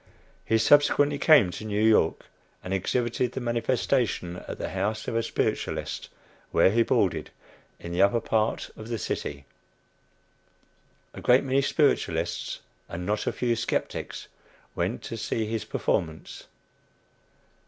He subsequently came to New York, and exhibited the "manifestation" at the house of a spiritualist where he boarded in the upper part of the city. A great many spiritualists and not a few "skeptics" went to see his performance.